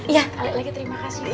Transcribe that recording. iya kali lagi terima kasih